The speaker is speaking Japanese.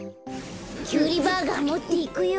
キュウリバーガーもっていくよ。